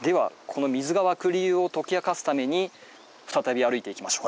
この水が湧く理由を解き明かすために再び歩いていきましょう。